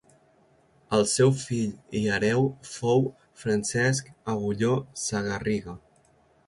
El seu fill i hereu fou Francesc Agulló Sagarriga.